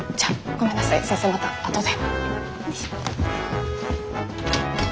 ごめんなさい先生またあとで。